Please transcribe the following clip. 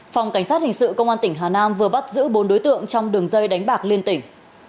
phòng cảnh sát hình sự công an tỉnh hà nam vừa bắt giữ bốn đối tượng trong đường dây đánh bạc liên tỉnh